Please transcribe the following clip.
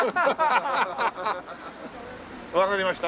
わかりました。